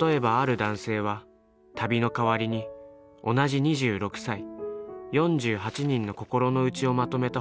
例えばある男性は旅の代わりに同じ２６歳４８人の心の内をまとめた本を出版した。